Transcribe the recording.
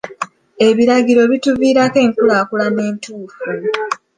Ebiragiro bituviirako enkulaakulana entuufu.